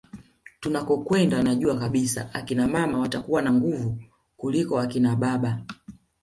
Tunakokwenda najua kabisa akina mama watakuwa na nguvu kuliko akina baba